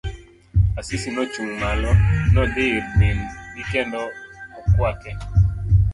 Asisi nochung' malo, nodhi ir min gi kendo okwake.